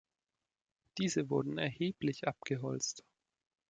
Diese wurden erheblich abgeholzt.